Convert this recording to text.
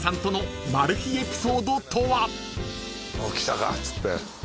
来たかっつって。